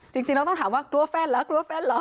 จริงแล้วต้องถามว่ากลัวแฟนเหรอ